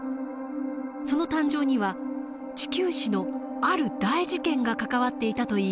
その誕生には地球史のある大事件が関わっていたといいます。